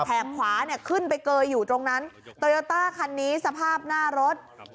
ขวาเนี่ยขึ้นไปเกยอยู่ตรงนั้นโตโยต้าคันนี้สภาพหน้ารถ